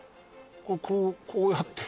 こうこうやって？